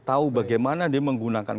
tahu bagaimana dia menggunakan